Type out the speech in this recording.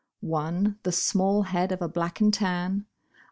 One the small head of a black and tan.